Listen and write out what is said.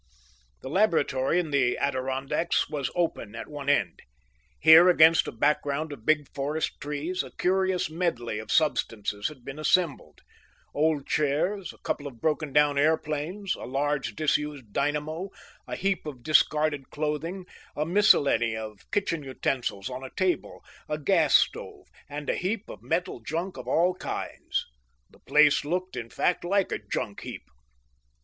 The laboratory in the Adirondacks was open at one end. Here, against a background of big forest trees, a curious medley of substances had been assembled: old chairs, a couple of broken down airplanes, a large disused dynamo, a heap of discarded clothing, a miscellany of kitchen utensils on a table, a gas stove, and a heap of metal junk of all kinds. The place looked, in fact, like a junk heap.